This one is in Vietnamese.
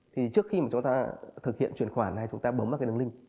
trước khi chúng ta thực hiện chuyển khoản hay chúng ta bấm vào đường link